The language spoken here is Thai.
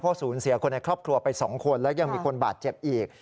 ศูนย์เสียคนในครอบครัวไป๒คนและยังมีคนบาดเจ็บอีก